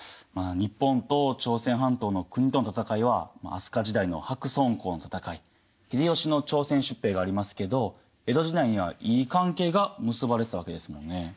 まあ日本と朝鮮半島の国との戦いは飛鳥時代の白村江の戦い秀吉の朝鮮出兵がありますけど江戸時代にはいい関係が結ばれてたわけですもんね。